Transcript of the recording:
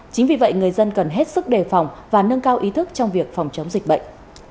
chính vì vậy người dân cần hết sức đề phòng và nâng cao ý thức trong việc phòng chống dịch bệnh